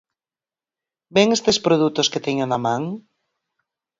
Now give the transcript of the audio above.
¿Ven estes produtos que teño na man?